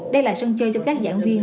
đây là sân chơi cho các giảng viên